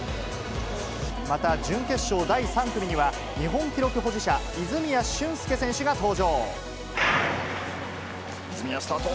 また準決勝第３組には、日本記録保持者、泉谷、スタート。